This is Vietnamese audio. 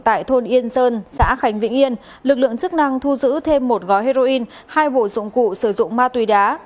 tại thôn yên sơn xã khánh vĩnh yên lực lượng chức năng thu giữ thêm một gói heroin hai bộ dụng cụ sử dụng ma túy đá